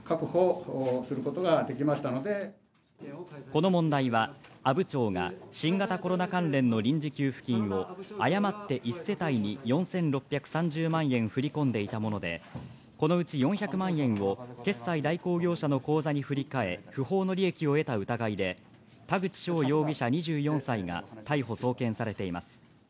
この問題は阿武町が新型コロナ関連の臨時給付金を誤って一世帯に４６３０万円振り込んでいたもので、このうち４００万円を決済代行業者の口座に振り替え不法の利益を得た疑いで、田口翔容疑者、２４歳が逮捕送検されています。